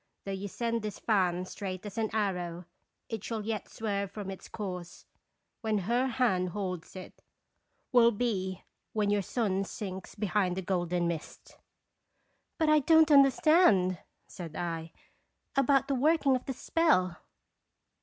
Though you send this fan straight as an arrow, it shall yet swerve from its course. When her hand holds it, will be when your sun sinks behind a golden mist!" "But I don't understand/' said I, "about the working of the spell."